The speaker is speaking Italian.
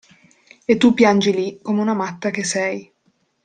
E tu piangi lì come una matta che sei.